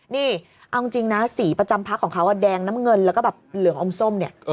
นี่เอาจริงนะสีประจำพักของเขาแดงน้ำเงินแล้วก็แบบเหลืองอมส้มเนี่ย